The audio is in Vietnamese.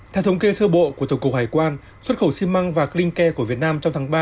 theo thống kê sơ bộ của tổng cục hải quan xuất khẩu xi măng và clin ke của việt nam trong tháng ba